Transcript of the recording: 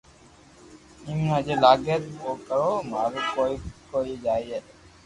آم ني جي لاگي او ڪرو مارو ڪوئي ڪوئ جائي